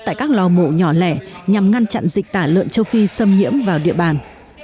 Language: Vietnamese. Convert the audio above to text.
tại các lò mổ nhỏ lẻ nhằm ngăn chặn dịch tả lợn châu phi xâm nhiễm vào địa bàn